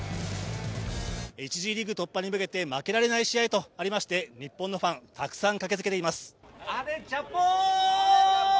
１次リーグ突破に向けて負けられない試合とありまして、日本のファン、たくさん駆けつけています。